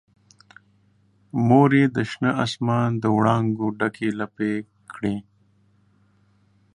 مور یې د شنه اسمان دوړانګو ډکې لپې کړي